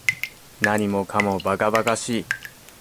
何もかも馬鹿馬鹿しい